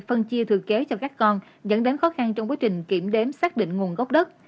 phân chia thừa kế cho các con dẫn đến khó khăn trong quá trình kiểm đếm xác định nguồn gốc đất